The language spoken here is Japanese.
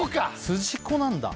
筋子なんだ